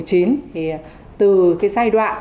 thì từ cái giai đoạn